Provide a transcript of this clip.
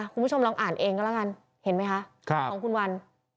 คุณผู้ชมลองอ่านเองก็แล้วกันเห็นไหมคะของคุณวัน